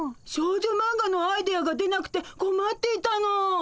少女マンガのアイデアが出なくてこまっていたの。